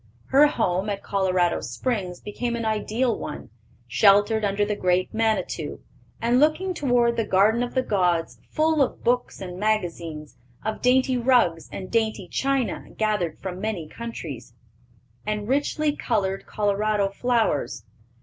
Her home, at Colorado Springs, became an ideal one, sheltered under the great Manitou, and looking toward the Garden of the Gods, full of books and magazines, of dainty rugs and dainty china gathered from many countries, and richly colored Colorado flowers.